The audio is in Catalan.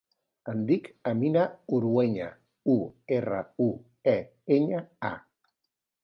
Em dic Amina Urueña: u, erra, u, e, enya, a.